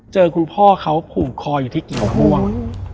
คุณพ่อเขาผูกคออยู่ที่กิ่งม่วง